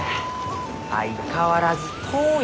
相変わらず遠い。